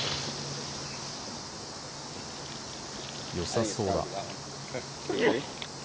よさそうだ。